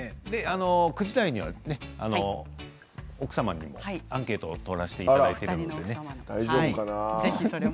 ９時台には奥様にもアンケートを取らせていただいて。